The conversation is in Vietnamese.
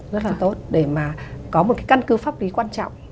rất là tốt để mà có một cái căn cứ pháp lý quan trọng